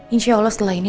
insya allah setelah ini